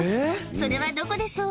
それはどこでしょう？